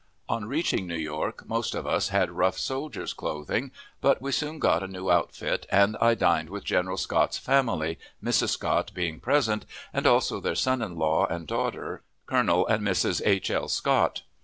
On reaching New York, most of us had rough soldier's clothing, but we soon got a new outfit, and I dined with General Scott's family, Mrs. Scott being present, and also their son in law and daughter (Colonel and Mrs. H. L. Scott).